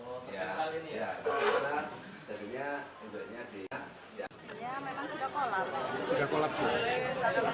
pada saat ini sejumlahnya sudah kolap